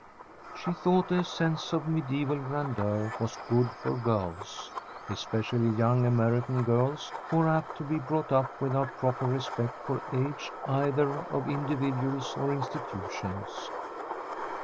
She thought a sense of mediæval grandeur was good for girls, especially young American girls, who are apt to be brought up without proper respect for age, either of individuals or institutions.